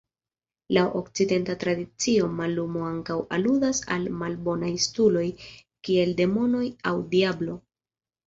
Laŭ Okcidenta tradicio, mallumo ankaŭ aludas al malbonaj estuloj, kiel demonoj aŭ Diablo.